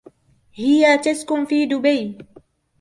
هي تسكن في دبي.